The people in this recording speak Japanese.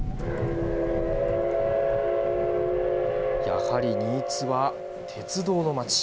やはり新津は鉄道の町。